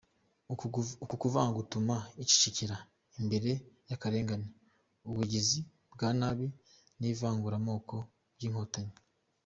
Uku kuvanga gutuma yicecekera imbere y’akarengane, ubugizi bwa nabi n’ivanguramoko by’Inkotanyi.